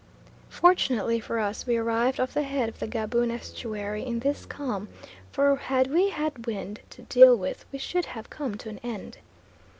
Fortunately for us we arrived off the head of the Gaboon estuary in this calm, for had we had wind to deal with we should have come to an end.